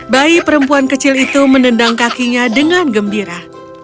bayi perempuan kecil itu menendang kakinya dengan gembira